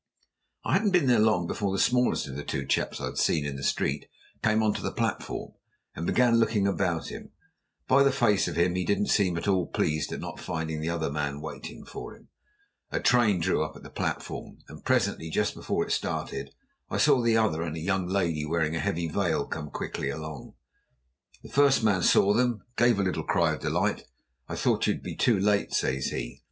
I hadn't been there long before the smallest of the two chaps I'd seen in the street came on to the platform, and began looking about him. By the face of him he didn't seem at all pleased at not finding the other man waiting for him. A train drew up at the platform, and presently, just before it started, I saw the other and a young lady wearing a heavy veil come quickly along. The first man saw them, and gave a little cry of delight. 'I thought you'd be too late,' says he.